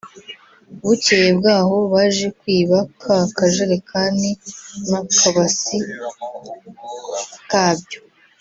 Bukeye bwaho baje kwiba ka kajerikani n’akabasi kabyo